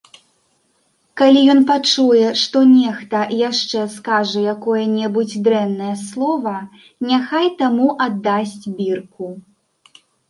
Калі ён пачуе, што нехта яшчэ скажа якое-небудзь дрэннае слова, няхай таму аддасць бірку.